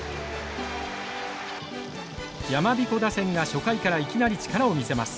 やまびこ打線が初回からいきなり力を見せます。